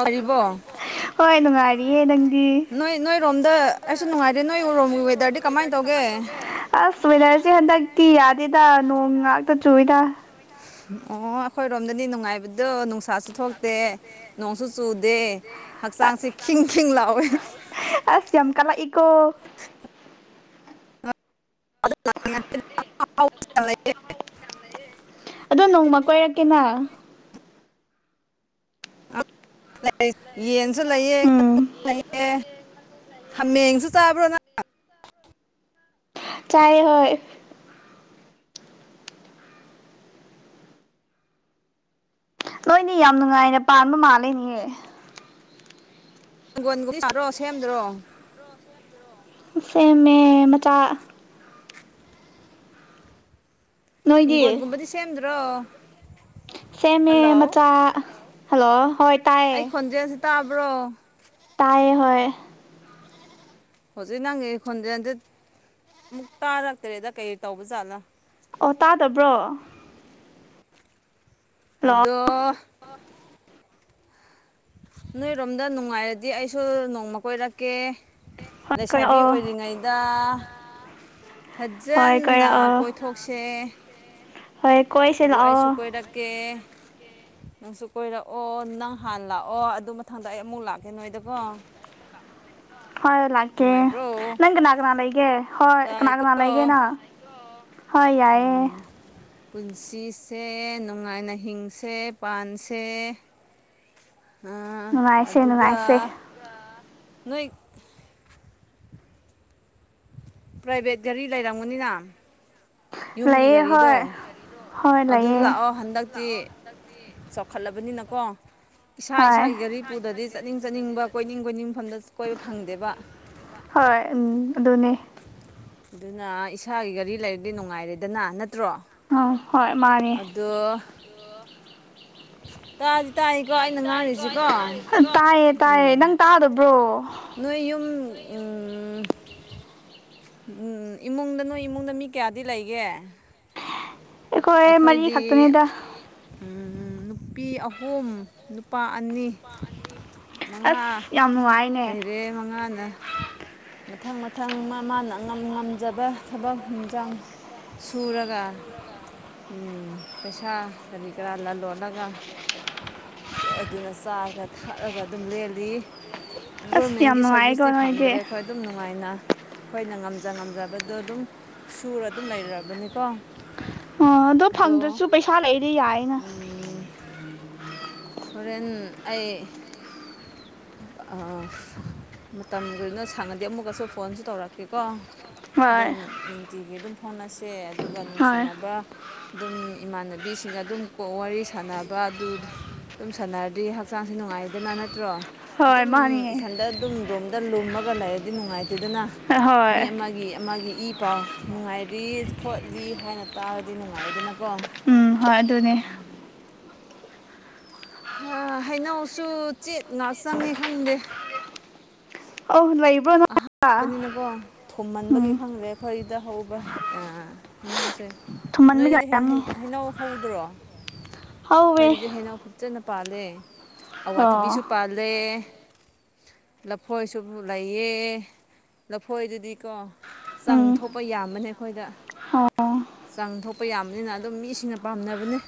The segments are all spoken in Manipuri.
ꯑꯔꯤꯕꯣ ꯍꯣꯏ ꯅꯨꯡꯉꯥꯏꯔꯤꯌꯦ ꯅꯪ ꯅꯣꯏ ꯅꯣꯏꯔꯣꯝꯗ ꯑꯩꯁꯨ ꯅꯨꯡꯉꯥꯏꯔꯦ ꯅꯣꯏꯔꯣꯝꯒꯤ ꯋꯦꯗꯔꯗꯤ ꯀꯃꯥꯏꯅ ꯇꯧꯒꯦ ꯑꯁ ꯋꯤꯟꯅꯔꯁꯦ ꯍꯟꯗꯛꯇꯤ ꯌꯥꯗꯦꯗ ꯅꯣꯡ ꯉꯥꯛꯇ ꯆꯨꯏꯗ ꯑꯣ ꯑꯩꯈꯣꯏꯔꯣꯝꯗꯅꯤ ꯅꯨꯡꯉꯥꯏꯕꯗꯣ ꯅꯨꯡꯁꯥꯁꯨ ꯊꯣꯛꯇꯦ ꯅꯣꯡꯁꯨ ꯆꯨꯗꯦ ꯍꯛꯆꯥꯡꯁꯦ ꯈꯤꯡ ꯈꯤꯡ ꯂꯥꯎꯋꯦ ꯑꯁꯝ ꯀꯂ ꯏꯀꯣ [unintelligible] ꯑꯗꯣ ꯅꯣꯡꯃ ꯀꯣꯏꯔꯛꯀꯦꯅ ꯑꯃ ꯌꯦꯟꯁꯨ ꯂꯩꯑ ꯎꯝ ꯉꯥꯅꯨ ꯂꯩꯑ ꯍꯥꯃꯦꯡꯁꯨ ꯆꯥꯕ꯭ꯔꯣ ꯅ ꯆꯥꯏ ꯍꯣꯏ ꯂꯣꯏꯅꯤ ꯌꯥꯝ ꯅꯨꯡꯉꯥꯏꯅ ꯄꯥꯟꯕ ꯃꯥꯜꯂꯦꯅꯦꯌꯦ ꯍꯪꯒꯣꯟꯒꯨꯝꯕ ꯁꯥꯥꯔꯣ ꯁꯦꯝꯗ꯭ꯔꯣ ꯁꯦꯝꯃꯦ ꯃꯆꯥ ꯅꯣꯏꯗꯤ ꯍꯤꯡꯒꯣꯜꯒꯨꯝꯕꯗꯤ ꯁꯦꯝꯗ꯭ꯔꯣ ꯁꯦꯝꯃꯦ ꯍꯜꯂꯣ ꯃꯆꯥ ꯍꯜꯂꯣ ꯍꯣꯏ ꯇꯥꯏꯌꯦ ꯑꯩ ꯈꯣꯟꯖꯦꯜꯁꯤ ꯇꯥꯕ꯭ꯔꯣ ꯇꯥꯏ ꯍ ꯍꯧꯖꯤꯛ ꯅꯪꯒꯤ ꯈꯣꯟꯖꯦꯜꯁ ꯑꯃꯨꯛ ꯇꯥꯔꯛꯇ꯭ꯔꯦꯗ ꯀꯩ ꯇꯧꯕꯖꯥꯠꯂꯥ ꯑꯣ ꯇꯥꯗꯕ꯭ꯔꯣ ꯍꯜꯂꯣ ꯑꯗꯣ ꯅꯣꯏꯔꯣꯝꯗ ꯅꯨꯡꯉꯥꯏꯔꯗꯤ ꯑꯩꯁꯨ ꯅꯣꯡꯃ ꯀꯣꯏꯔꯛꯀꯦ ꯍꯣꯏ ꯂꯩꯁꯥꯕꯤ ꯀꯣꯏꯔꯛꯑꯣ ꯑꯣꯏꯔꯤꯉꯩꯗ ꯍꯣꯏ ꯐꯖꯅ ꯀꯣꯏꯔꯛꯑꯣ ꯀꯣꯏꯊꯣꯛꯁꯦ ꯍꯣꯏ ꯀꯣꯏꯁꯦ ꯂꯥꯛꯑꯣ ꯑꯗꯨꯒꯣꯥꯏꯁꯨꯨꯀꯣꯏ ꯗꯀꯦ ꯅꯪꯁꯨ ꯀꯣꯏꯔꯛꯑꯣ ꯅꯪ ꯍꯥꯟꯅ ꯂꯥꯛꯑꯣ ꯑꯗꯨ ꯃꯊꯪꯗ ꯑꯩ ꯑꯃꯨꯛ ꯂꯥꯛꯀꯦ ꯅꯣꯏꯗꯀꯣ ꯍꯣꯏ ꯂꯥꯛꯀꯦ ꯅꯨꯡꯉꯥꯏꯕ꯭ꯔꯣ ꯅꯪ ꯀꯅꯥ ꯀꯅꯥ ꯂꯩꯒꯦ ꯍꯣꯏ ꯀꯅꯥ ꯀꯅꯥ ꯇꯥꯏꯀꯣ ꯂꯩꯒꯦꯅ ꯎꯝ ꯄꯨꯟꯁꯤꯁꯦ ꯅꯨꯡꯉꯥꯏꯅ ꯍꯤꯡꯁꯦ ꯄꯥꯟꯁꯦ ꯑꯝ ꯅꯨꯡꯉꯥꯏꯁꯦ ꯑꯗꯨꯒ ꯅꯨꯡꯉꯥꯏꯁꯦ ꯅꯣꯏ ꯄ꯭ꯔꯥꯏꯚꯦꯠ ꯒꯥꯔꯤ ꯂꯩꯔꯝꯒꯅꯤꯅ ꯌꯨꯝꯒꯤ ꯂꯩꯌꯦ ꯒꯥꯔꯤꯗꯣ ꯍꯣꯏ ꯍꯣꯏ ꯑꯗꯨꯗ ꯂꯩꯌꯦ ꯂꯥꯛꯑꯣ ꯍꯟꯗꯛ ꯤ ꯆꯥꯎꯈꯠꯂꯕꯅꯤꯅꯀꯣ ꯏꯁꯥ ꯍꯣꯏ ꯏꯁꯥꯒꯤ ꯒꯔꯤ ꯄꯨꯗꯗꯤ ꯆꯠꯅꯤꯡ ꯆꯠꯅꯤꯡꯕ ꯀꯣꯏꯅꯤꯡ ꯀꯣꯏꯅꯤꯡꯐꯝꯗ ꯀꯣꯏꯕ ꯐꯪꯗꯦꯕ ꯍꯣꯏ ꯎꯝ ꯑꯗꯨꯅꯦ ꯑꯗꯨꯅ ꯏꯁꯥꯒꯤ ꯒꯥꯔꯤ ꯂꯩꯔꯒꯗꯤ ꯅꯨꯡꯉꯥꯏꯔꯦꯗꯅ ꯅꯠꯇ꯭ꯔꯣ ꯑꯥ ꯍꯣꯏ ꯃꯥꯅꯦ ꯑꯗꯣ ꯇꯥꯛꯑꯗꯤ ꯇꯥꯛꯏꯀꯣ ꯑꯩꯅ ꯉꯥꯡꯔꯤꯁꯤꯀꯣ ꯇꯥꯏꯌꯦ ꯇꯥꯏꯌꯦ ꯎꯝ ꯅꯪ ꯇꯥꯗꯕ꯭ꯔꯣ ꯅꯣꯏ ꯌꯨꯝ ꯎꯝ ꯎꯝ ꯏꯃꯨꯡꯗ ꯅꯣꯏꯃꯨꯡꯗ ꯃꯤ ꯀꯌꯥꯗꯤ ꯂꯩꯒꯦ ꯑꯩꯈꯣꯏ ꯃꯔꯤ ꯑꯩꯈꯣꯏꯗꯤ ꯈꯛꯇꯅꯤꯗ ꯎꯝ ꯅꯨꯄꯤ ꯑꯍꯨꯝ ꯅꯨꯄꯥ ꯑꯅꯤ ꯃꯉꯥ ꯑꯁ ꯌꯥꯝ ꯅꯨꯡꯉꯥꯏꯅꯦ ꯂꯩꯔꯦ ꯃꯉꯥꯅ ꯃꯊꯪ ꯃꯊꯪ ꯃꯥ ꯃꯥꯅ ꯉꯝ ꯉꯝꯖꯕ ꯊꯕꯛ ꯍꯟꯁꯥꯡ ꯁꯨꯔꯒ ꯄꯩꯁꯥ ꯀꯔꯤ ꯀꯔꯥ ꯂꯂꯣꯜꯂꯒ ꯑꯗꯨꯅ ꯆꯥꯔꯒ ꯊꯛꯑꯒ ꯑꯗꯨꯝ ꯂꯦꯜꯂꯤ ꯑꯁ ꯌꯥꯝ ꯒꯣꯔꯃꯦꯟꯒꯤ ꯅꯨꯡꯉꯥꯏꯀꯣ ꯁꯥꯔꯚꯤꯁꯇꯤ ꯅꯣꯏꯗꯤ ꯐꯪꯗ꯭ꯔꯦ ꯑꯩꯈꯣꯏ ꯑꯗꯨꯝ ꯅꯨꯡꯉꯥꯏꯅ ꯑꯩꯈꯣꯏꯅ ꯉꯝꯖ ꯉꯝꯖꯕꯗꯣ ꯑꯗꯨꯝ ꯁꯨꯔ ꯑꯗꯨꯝ ꯂꯩꯔꯕꯅꯤꯀꯣ ꯑꯣ ꯑꯗꯣ ꯐꯪꯗ꯭ꯔꯁꯨ ꯄꯩꯁꯥ ꯂꯩꯗꯤ ꯌꯥꯏꯅ ꯎꯝ ꯍꯣꯔꯦꯟ ꯑꯩ ꯑꯥ ꯃꯇꯝ ꯀꯔꯤꯅꯣ ꯁꯥꯡꯉꯗꯤ ꯑꯃꯨꯛꯀꯁꯨ ꯐꯣꯟꯁꯨ ꯇꯧꯔꯛꯀꯦꯀꯣ ꯍꯣꯏ ꯑꯗꯨꯝ ꯅꯨꯡꯇꯤꯒꯤ ꯑꯗꯨꯝ ꯐꯥꯎꯅꯁꯦ ꯑꯗꯨꯒ ꯍꯣꯏ ꯅꯨꯡꯁꯤꯅꯕ ꯑꯗꯨꯝ ꯏꯃꯥꯟꯅꯕꯤꯁꯤꯡꯒ ꯑꯗꯨꯝ ꯋꯥꯔꯤ ꯁꯥꯟꯅꯕ ꯑꯗꯨ ꯑꯗꯨꯝ ꯁꯥꯟꯅꯔꯗꯤꯗꯤ ꯍꯛꯆꯥꯡꯁꯦ ꯅꯨꯡꯉꯥꯏꯗꯅ ꯅꯠꯇ꯭ꯔꯣ ꯍꯣꯏ ꯑꯗꯨꯝ ꯃꯥꯅꯦ ꯏꯊꯟꯗ ꯑꯗꯨꯝ ꯔꯣꯝꯗ ꯂꯨꯝꯃꯒ ꯂꯩꯔꯗꯤ ꯅꯨꯡꯉꯥꯏꯇꯦꯗꯅ ꯍꯣꯏ ꯃꯤ ꯑꯃꯒꯤ ꯑꯃꯒꯤ ꯏ ꯄꯥꯎ ꯅꯨꯡꯉꯥꯏꯔꯤ ꯈꯣꯠꯂꯤ ꯍꯥꯏꯅ ꯇꯥꯔꯗꯤ ꯅꯨꯡꯉꯥꯏꯗꯅꯀꯣ ꯎꯝ ꯍꯣꯏ ꯑꯗꯨꯅꯦ ꯍꯥ ꯍꯩꯅꯧꯁꯨ ꯆꯦꯠꯅ ꯆꯪꯏ ꯈꯪꯗꯦ ꯑꯧ ꯂꯏꯕ꯭ꯔꯣ ꯅ ꯕꯅꯤꯅꯀꯣ ꯊꯨꯝꯃꯟꯕꯒꯤ ꯈꯪꯗꯦ ꯑꯩꯈꯣꯏꯗ ꯍꯧꯕ ꯍꯩꯅꯧꯁꯦ ꯊꯨꯝꯃꯟꯕꯒꯤ ꯅꯣꯏꯗꯨꯗꯤ ꯍꯩ ꯑꯣꯏꯔꯝꯅꯤ ꯍꯩꯅꯧ ꯍꯧꯗ꯭ꯔꯣ ꯍꯧꯋꯦ ꯑꯩꯈꯣꯏꯗꯨꯗꯤ ꯍꯩꯅꯧ ꯐꯖꯅ ꯄꯥꯜꯂꯦ ꯑꯋꯥꯊꯕꯤꯁꯨ ꯑꯣ ꯄꯥꯜ ꯂꯦ ꯂꯐꯣꯏꯁꯨ ꯂꯩꯌꯦ ꯂꯐꯣꯏꯗꯨꯗꯤꯀꯣ ꯆꯪ ꯊꯣꯛꯄ ꯌꯥꯝꯕꯅꯦ ꯑꯩꯈꯣꯏꯗ ꯍꯥ ꯑꯣ ꯆꯥꯡ ꯊꯣꯛꯄ ꯌꯥꯝꯕꯅꯤꯅ ꯑꯗꯨꯝ ꯃꯤꯁꯤꯡꯅ ꯄꯥꯝꯅꯕꯅꯤ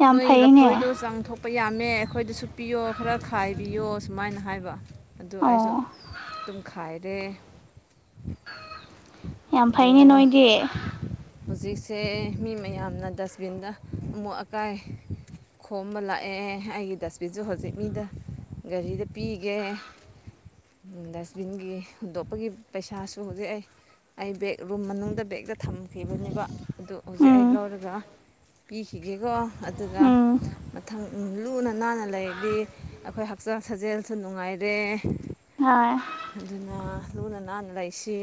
ꯌꯥꯝ ꯅꯣꯏꯒꯤ ꯐꯩꯅꯦ ꯂꯐꯣꯏꯗꯣ ꯆꯥꯡꯊꯣꯛ ꯄ ꯌꯥꯝꯃꯦ ꯑꯩꯈꯣꯏꯗꯁꯨ ꯄꯤꯌꯣ ꯈꯔ ꯈꯥꯏꯕꯤꯌꯣ ꯁꯨꯃꯥꯏꯅ ꯍꯥꯏꯕ ꯑꯗꯨ ꯑꯩꯁꯨ ꯑꯣ ꯇꯨꯝꯈꯥꯏꯔꯦ ꯌꯥꯝ ꯑꯗꯣ ꯐꯩꯅꯦ ꯅꯣꯏꯗꯤ ꯍꯧꯖꯤꯛꯁꯦ ꯃꯤ ꯃꯌꯥꯝꯅ ꯗꯁꯕꯤꯟꯗ ꯑꯃꯣꯠ ꯑꯀꯥꯏ ꯈꯣꯝꯕ ꯂꯥꯛꯑꯦ ꯑꯩꯒꯤ ꯗꯁꯕꯤꯟꯁꯨ ꯍꯧꯖꯤꯛ ꯃꯤꯗ ꯒꯥꯔꯤꯗ ꯄꯤꯒꯦ ꯗꯁꯕꯤꯟꯒꯤ ꯍꯨꯟꯗꯣꯛꯄꯒꯤ ꯄꯩꯁꯥꯁꯨ ꯍꯧꯖꯤꯛ ꯑꯩ ꯑꯩ ꯕꯦꯛ ꯔꯨꯝ ꯃꯅꯨꯡꯗ ꯕꯦꯛꯇ ꯊꯝꯈꯤꯕꯅꯦꯕ ꯑꯗꯨ ꯍꯧꯖꯤꯛ ꯑꯩ ꯎꯝ ꯂꯧꯔꯒ ꯄꯤꯈꯤꯒꯦꯀꯣ ꯑꯗꯨꯒ ꯎꯝ ꯃꯊꯪ ꯂꯨꯅ ꯅꯥꯟꯅ ꯂꯩꯔꯗꯤ ꯑꯩꯈꯣꯏ ꯍꯛꯆꯥꯡ ꯁꯥꯖꯦꯜꯁꯨ ꯅꯨꯡꯉꯥꯏꯔꯦ ꯍꯣꯏ ꯑꯗꯨꯅ ꯂꯨꯅ ꯅꯥꯟꯅ ꯂꯩꯁꯤ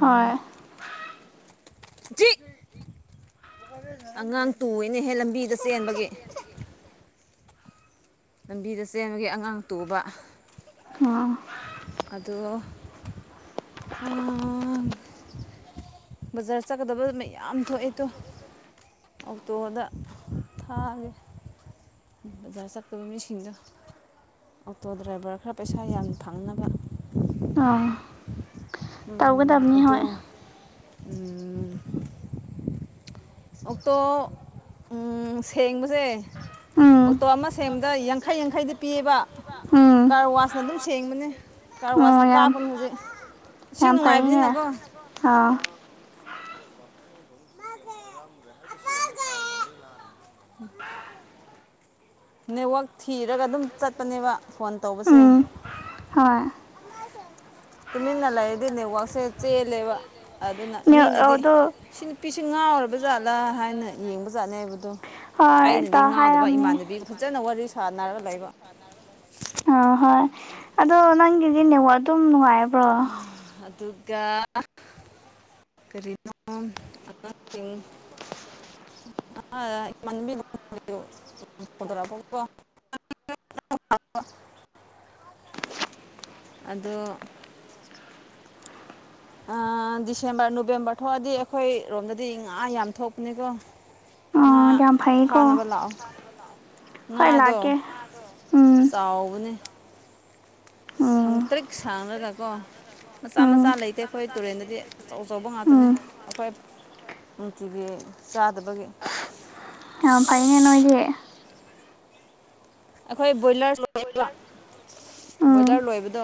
ꯍꯣꯏ [unintelligible] ꯑꯉꯥꯡ ꯇꯨꯏꯅꯦꯍꯦ ꯂꯝꯕꯤꯗ ꯆꯦꯟꯕꯒꯤ ꯂꯝꯕꯤꯗ ꯆꯦꯟꯕꯒꯤ ꯑꯉꯥꯡ ꯇꯣꯛꯕ ꯎꯝ ꯑꯗꯣ ꯕꯖꯥꯔ ꯆꯠꯀꯗꯕ ꯃ ꯌꯥꯝ ꯊꯣꯛꯑꯦ ꯇꯣ ꯑꯣꯛꯇꯣꯗ ꯊꯥꯒꯦ ꯕꯖꯥꯔ ꯆꯠꯀꯕ ꯃꯤꯁꯤꯡꯗꯣ ꯑꯣꯇꯣ ꯗ꯭ꯔꯥꯏꯚꯔ ꯈꯔ ꯄꯩꯁꯥ ꯌꯥꯝꯅ ꯐꯪꯅꯕ ꯑꯥ ꯎ ꯑꯗꯣ ꯑꯣꯛꯇꯣ ꯁꯦꯡꯕꯁꯦ ꯎꯝ ꯑꯣꯇꯣ ꯑꯃ ꯁꯦꯡꯕꯗ ꯌꯥꯡꯈꯩ ꯌꯥꯡꯈꯩꯗꯤ ꯄꯤꯌꯦꯕ ꯎꯝ ꯀꯥꯔ ꯋꯥꯁꯅ ꯑꯗꯨꯝ ꯁꯦꯡꯕꯅꯦ ꯀꯥꯔ ꯑꯣ ꯋꯥꯆꯅ ꯌꯥꯝ ꯀꯥꯞꯄꯅꯤ ꯍꯧꯖꯤꯛ ꯏꯁꯤꯡ ꯌꯥꯝ ꯐꯩꯅꯦ ꯅꯨꯡꯉꯥꯏꯕꯁꯤꯅꯀꯣ ꯑꯥ [unintelligible] ꯅꯦꯠꯋꯥꯛ ꯊꯤꯔꯒ ꯑꯗꯨꯝ ꯆꯠꯄꯅꯦꯕ ꯐꯣꯟ ꯇꯧꯕꯁꯦ ꯎꯝ ꯍꯣꯏ ꯇꯨꯃꯤꯟꯅ ꯂꯩꯔꯗꯤ ꯅꯦꯠꯋꯥꯛꯁꯦ ꯆꯦꯜꯂꯦꯕ ꯑꯗꯨꯅ ꯃꯤꯅꯗꯤ ꯑꯗꯣ ꯁꯤ ꯅꯨꯄꯤꯁꯦ ꯉꯥꯎꯕ ꯖꯥꯠꯂꯥ ꯍꯥꯏꯅ ꯌꯦꯡꯕ ꯖꯥꯠꯅꯦ ꯍꯥꯏꯕꯗꯣ ꯍꯣꯏ ꯑꯩꯅꯗꯤ ꯇ ꯉꯥꯎꯗꯕ ꯍꯥꯏꯔꯝꯅꯤ ꯏꯃꯥꯟꯅꯕꯤ ꯐꯖꯅ ꯋꯥꯔꯤ ꯁꯥꯅꯔꯒ ꯂꯩꯕ ꯑ ꯍꯣꯏ ꯑꯗꯣ ꯅꯪꯒꯤꯗꯤ ꯅꯦꯋꯥꯛ ꯑꯗꯨꯝ ꯅꯨꯡꯉꯥꯏꯕ꯭ꯔꯣ ꯑꯗꯨꯒꯗꯨꯒꯥ ꯀꯔꯤꯅ ꯑ [inaudible] ꯁꯗ꯭ꯔꯕꯀꯣ [inaudible] [inaudible] ꯑꯗꯣ ꯗꯤꯁꯦꯝꯕꯔ ꯅꯣꯕꯦꯝꯕꯔ ꯊꯣꯛꯑꯗꯤ ꯑꯩꯈꯣꯏꯔꯣꯝꯗꯗꯤ ꯉꯥ ꯌꯥꯝ ꯊꯣꯛꯄꯅꯦꯀꯣ ꯉꯥ ꯑꯣ ꯌꯥꯝ ꯐꯩꯀꯣ ꯐꯥꯅꯕ ꯂꯥꯛꯑꯣ ꯍꯣꯏ ꯉꯥꯗꯣ ꯂꯥꯛꯀꯦ ꯎꯝ ꯆꯥꯎꯕꯅꯦ ꯎꯝ ꯁꯪꯇ꯭ꯔꯤꯛ ꯁꯥꯡꯔꯒꯀꯣ ꯃꯆꯥ ꯃꯆꯥ ꯎꯝ ꯂꯩꯇꯦ ꯑꯩꯈꯣꯏ ꯇꯨꯔꯦꯟꯗꯗꯤ ꯑꯆꯧ ꯑꯆꯧꯕ ꯉꯥꯛꯇꯅꯤ ꯎꯝ ꯑꯩꯈꯣꯏ ꯅꯨꯡꯇꯤꯒꯤ ꯆꯥꯗꯕꯒꯤ ꯑꯥ ꯐꯥꯏꯅꯦ ꯅꯣꯏꯗꯤ ꯑꯩꯈꯣꯏ ꯕꯣꯏꯂꯔ ꯂꯣꯏꯕ ꯎꯝ ꯕꯣꯏꯂꯔ ꯂꯣꯏꯕꯗꯣ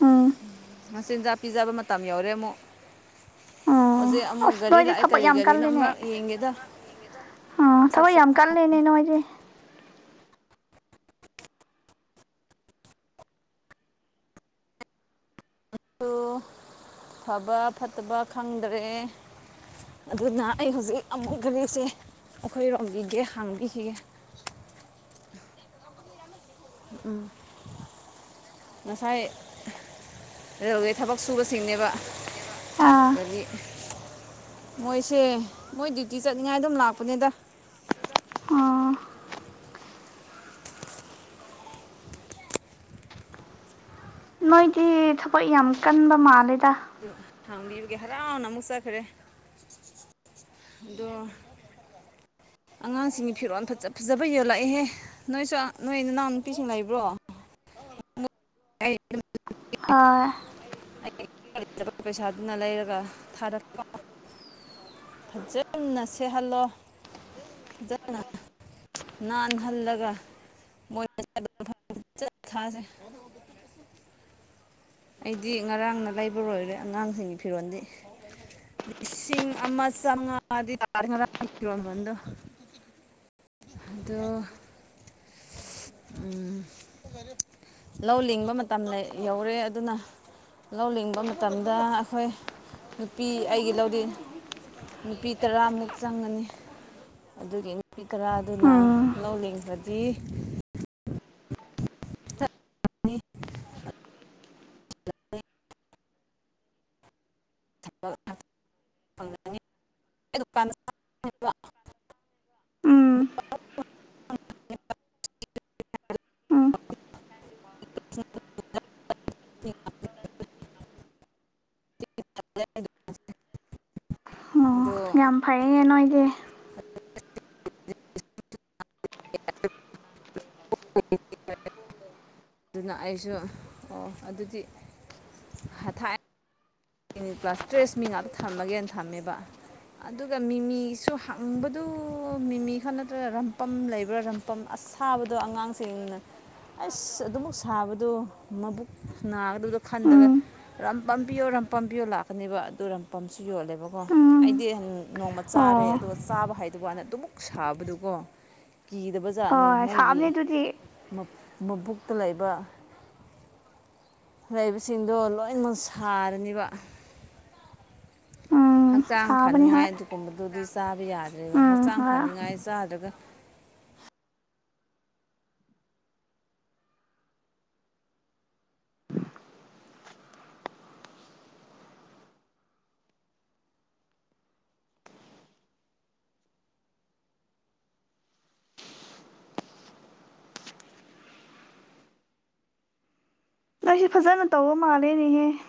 ꯎꯝ ꯃꯆꯤꯟꯖꯥꯛ ꯄꯤꯖꯕ ꯃꯇꯝ ꯌꯧꯔꯦ ꯑꯃꯨꯛ ꯎꯝ ꯍꯧꯖꯤꯛ ꯑꯃꯨꯛ ꯑꯁ ꯒꯥꯔꯤ ꯅꯣꯏꯗꯤ ꯂꯥꯛꯑꯦ ꯊꯕꯛ ꯀꯔꯤ ꯒꯥꯔꯤꯅꯣ ꯑꯃꯔꯛ ꯌꯦꯡꯒꯦꯗ ꯑ ꯁꯛ ꯊꯕꯛ ꯌꯥꯝ ꯁꯛꯁꯨ ꯀꯜꯂꯦꯅꯦ ꯅꯣꯏꯗꯤ ꯑꯗꯨꯨ ꯐꯕ ꯐꯠꯇꯕ ꯈꯪꯗ꯭ꯔꯦ ꯑꯗꯨꯅ ꯑꯩ ꯍꯧꯖꯤꯛ ꯑꯃꯨꯛ ꯒꯥꯔꯤꯁꯦ ꯑꯩꯈꯣꯏꯔꯣꯝꯕꯤꯒꯦ ꯍꯥꯡꯕꯤꯈꯤꯒꯦ ꯎꯝ ꯉꯁꯥꯏ ꯔꯦꯜꯋꯦ ꯊꯕꯛ ꯁꯨꯕꯁꯤꯡꯅꯦꯕ ꯑꯥ ꯑꯗꯨꯗꯤ ꯃꯣꯏꯁꯦ ꯃꯣꯏ ꯗ꯭ꯌꯨꯇꯤ ꯆꯠꯅꯤꯡꯉꯥꯏ ꯑꯗꯨꯝ ꯂꯥꯛꯄꯅꯦꯗ ꯑꯥ ꯅꯣꯏꯗꯤ ꯊꯕꯛ ꯌꯥꯝ ꯀꯟꯕ ꯃꯥꯜꯂꯦꯗ ꯑꯗꯨ ꯍꯥꯡꯕꯤꯕꯒꯤ ꯍꯔꯥꯎꯅ ꯑꯃꯨꯛ ꯆꯠꯈ꯭ꯔꯦ ꯑꯗ ꯑꯉꯥꯡꯁꯤꯡꯒꯤ ꯐꯤꯔꯣꯜ ꯐꯖ ꯐꯖꯕ ꯌꯣꯜꯂꯛꯑꯦꯍꯦ ꯅꯣꯏꯁꯨ ꯅꯣꯏ ꯅꯅꯥꯎ ꯅꯨꯄꯤꯁꯨ ꯂꯩꯕ꯭ꯔꯣ ꯑꯩ ꯑꯥ ꯑꯩ ꯄꯩꯁꯥꯗꯨꯅ ꯂꯩꯔꯒ ꯊꯥꯔꯛ ꯐꯖꯅ ꯁꯦꯠꯍꯜꯂꯣ ꯐꯖꯅ ꯅꯅꯥꯟꯍꯜꯂꯒ ꯃꯣꯏꯠ ꯊꯥꯁꯦ [inaudible] ꯑꯩꯗꯤ ꯉꯔꯥꯡꯅ ꯂꯩꯕꯔꯣꯏꯔꯦ ꯑꯉꯥꯡꯁꯤꯡꯒꯤ ꯐꯤꯔꯣꯟꯜꯗꯤ ꯑꯃ ꯆꯉ ꯑꯗꯨ ꯇꯔꯗ [inaudible] ꯑꯗꯣ ꯎꯝ ꯂꯧ ꯂꯤꯡꯕ ꯃꯇꯝꯗ ꯌꯧꯔꯦ ꯑꯗꯨꯅ ꯂꯧ ꯂꯤꯡꯕ ꯃꯇꯝꯗ ꯑꯩꯈꯣꯏ ꯅꯨꯄꯤ ꯑꯩꯒꯤ ꯂꯧꯗꯤ ꯅꯨꯄꯤ ꯇꯔꯥꯃꯨꯛ ꯆꯪꯒꯅꯤ ꯑꯗꯨꯒꯤ ꯅꯨꯄꯤ ꯀꯔꯗꯨꯅ ꯎꯝ ꯂꯧ ꯂꯤꯡꯈꯗꯤ ꯑꯅꯤ [inaudible] ꯎꯝ ꯎꯝ [unintelligible] [unintelligible] ꯑꯣ ꯑꯗꯣ ꯌꯥꯝ ꯐꯩꯌꯦ ꯅꯣꯏꯗꯤ [unintelligible] ꯑꯗꯨꯅ ꯑꯩꯁꯨ ꯑꯣ ꯑꯗꯨꯗꯤ ꯊꯥꯏ ꯀꯂꯤꯅꯤꯠ ꯄ꯭ꯂꯥꯁ ꯇ꯭ꯔꯦꯁ ꯃꯤ ꯉꯥꯛꯇ ꯊꯝꯃꯒꯦꯅ ꯊꯝꯃꯦꯕ ꯫ ꯑꯗꯨꯒ ꯃꯤꯃꯤꯁꯨ ꯍꯪꯕꯗꯨ ꯃꯤꯃꯤ ꯈꯛ ꯅꯠꯇ꯭ꯔꯒ ꯔꯝꯄꯝ ꯂꯩꯕ꯭ꯔꯥ ꯔꯝ ꯄꯝ ꯑꯁꯥꯕꯗꯣ ꯑꯉꯥꯡꯁꯤꯡꯅ ꯑꯁ ꯑꯗꯨꯃꯛ ꯁꯥꯕꯗꯣ ꯃꯕꯨꯛ ꯅꯥꯒꯗꯕꯗꯣ ꯎꯝ ꯈꯟꯗꯒꯩ ꯔꯝꯄꯝꯄꯤꯌꯣ ꯔꯝꯄꯝ ꯄꯤꯌꯣ ꯂꯥꯛꯀꯅꯦꯕ ꯑꯗꯨ ꯔꯝꯄꯝꯁꯨ ꯌꯣꯜꯂꯦꯕꯀꯣ ꯫ ꯎꯝ ꯑꯩꯗꯤ ꯅꯣꯡꯃ ꯆꯥꯔꯦ ꯑꯣ ꯑꯗꯨꯒ ꯆꯥꯕ ꯍꯥꯏꯗꯕ ꯋꯥꯅꯦ ꯑꯗꯨꯃꯛ ꯁꯥꯕꯗꯨꯀꯣ ꯫ ꯀꯤꯗꯕ ꯖꯥꯠꯅꯤ ꯍꯣꯏ ꯃꯣꯏꯒꯤ ꯁꯥꯕꯅꯦ ꯑꯗꯨꯗꯤ ꯫ ꯃꯕꯨꯛꯇ ꯂꯩꯕ ꯂꯩꯕꯁꯤꯡꯗꯣ ꯂꯣꯏ ꯃꯛ ꯁꯥꯔꯅꯤꯕ ꯫ ꯎꯝ ꯍꯛꯆꯥꯡ ꯁꯥꯕꯅꯤ ꯐꯅꯤꯡꯉꯥꯏ ꯍꯣꯏ ꯑꯗꯨꯒꯨꯝꯕꯗꯨꯗꯤ ꯆꯥꯕ ꯌꯥꯗ꯭ꯔꯦꯕ ꯎꯝ ꯍꯛꯆꯥꯡ ꯍꯣꯏ ꯐꯅꯤꯡꯉꯥꯏ ꯆꯥꯗ꯭ꯔꯒ ꯫ ꯂꯩꯁꯦ ꯐꯖꯅ ꯇꯧꯕ ꯃꯥꯜꯂꯦꯅꯦꯍꯦ ꯫